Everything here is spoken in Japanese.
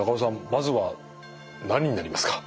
まずは何になりますか？